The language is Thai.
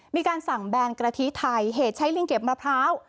มีการสั่งแบนกระทิไทยเหตุใช้ลิงเก็บมะพร้าว